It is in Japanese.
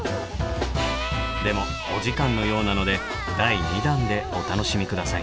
でもお時間のようなので第２弾でお楽しみ下さい。